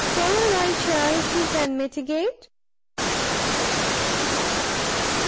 sorrow thy charity can mitigate?"